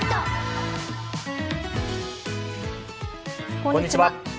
こんにちは。